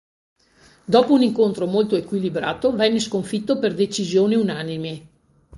Dopo un incontro molto equilibrato, venne sconfitto per decisione unanime.